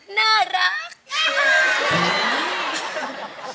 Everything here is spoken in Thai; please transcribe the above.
น่ารัก